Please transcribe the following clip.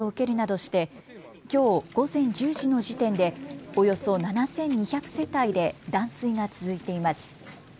村上市では浄水施設が被害を受けるなどしてきょう午前１０時の時点でおよそ７２００世帯で断水が続いています。